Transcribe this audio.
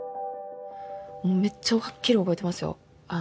めっちゃはっきり覚えてますよ